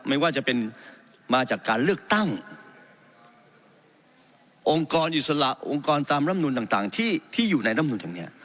ไม่ว่าจะเป็นมาจากการเลือกตั้งองค์กรอิสระองค์กรตามรำนูนต่างที่อยู่ในร่ำนูนอย่างนี้